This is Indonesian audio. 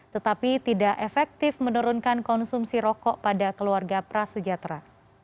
tetapi tidak efektif menurunkan konsumsi rokok pada keluarga prasejahtera